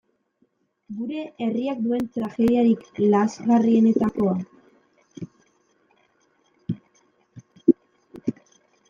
Gure herriak duen tragediarik lazgarrienetakoa.